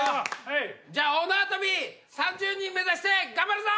じゃあ大縄跳び３０人目指して頑張るぞ！